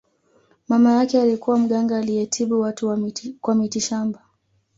mama yake alikuwa mganga aliyetibu watu kwa mitishamba